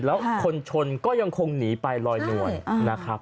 แล้วคนชนก็ยังคงหนีไปลอยนวลนะครับ